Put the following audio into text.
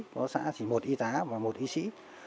có xã chỉ một y tá và một y sĩ